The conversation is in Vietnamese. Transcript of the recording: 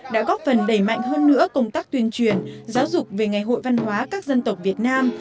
đã góp phần đẩy mạnh hơn nữa công tác tuyên truyền giáo dục về ngày hội văn hóa các dân tộc việt nam